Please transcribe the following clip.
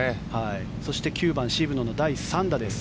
そして９番、渋野の第３打です。